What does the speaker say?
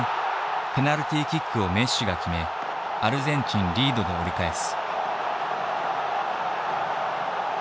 ペナルティーキックをメッシが決めアルゼンチンリードで折り返す。